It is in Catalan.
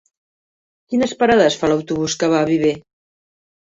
Quines parades fa l'autobús que va a Viver?